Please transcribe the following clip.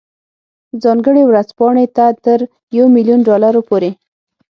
ځانګړې ورځپاڼې ته تر یو میلیون ډالرو پورې.